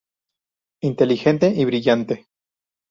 Inteligente... y brillante.